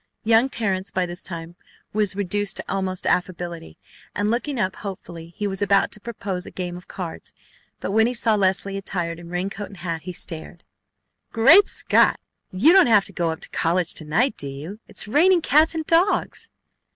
Young Terrence by this time was reduced to almost affability, and looked up hopefully. He was about to propose a game of cards, but when he saw Leslie attired in raincoat and hat he stared: "Great Scott! You don't have to go up to college to night, do you? It's raining cats and dogs!"